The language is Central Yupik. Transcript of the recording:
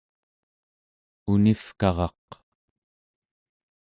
univkaraq